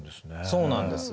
そうなんです。